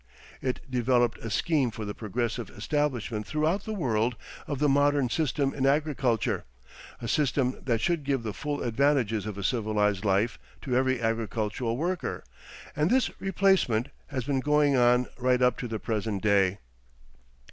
It developed a scheme for the progressive establishment throughout the world of the 'modern system' in agriculture, a system that should give the full advantages of a civilised life to every agricultural worker, and this replacement has been going on right up to the present day.